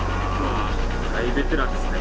大ベテランですね。